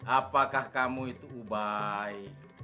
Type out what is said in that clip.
apakah kamu itu ubay